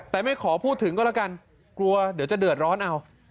แต่ไม่ขอพูดถึงก็แล้วกันกลัวเดี๋ยวจะเดือดร้อนเอา